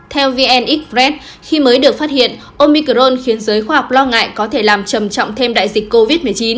theo vn express khi mới được phát hiện omicron khiến giới khoa học lo ngại có thể làm trầm trọng thêm đại dịch covid một mươi chín